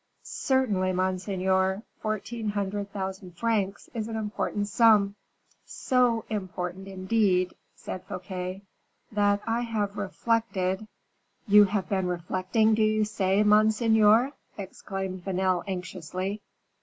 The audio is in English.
"Certainly, monseigneur; fourteen hundred thousand francs is an important sum." "So important, indeed," said Fouquet, "that I have reflected " "You have been reflecting, do you say, monseigneur?" exclaimed Vanel, anxiously.